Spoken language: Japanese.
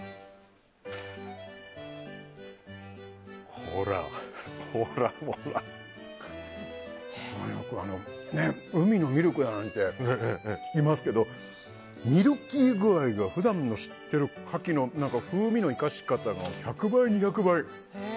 これ、よく海のミルクだなんて聞きますけど、ミルキー具合が普段の知ってるカキの風味の生かし方が１００倍、２００倍！